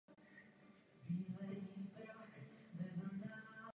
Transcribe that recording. Čtvrtý titul v Indian Wells získal Roger Federer.